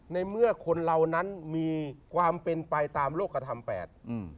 ในเมื่อคนเรานั้นมีความเป็นไปตามโลกกระทำแปดอืม